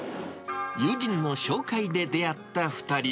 友人の紹介で出会った２人。